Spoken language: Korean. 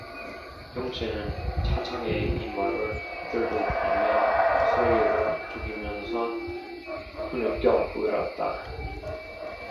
영신은 차창에 이마를 들부비며 소리를 죽이면서 흐느껴 울었다.